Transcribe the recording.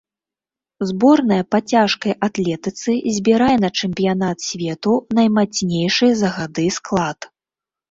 Зборная па цяжкай атлетыцы збірае на чэмпіянат свету наймацнейшы за гады склад.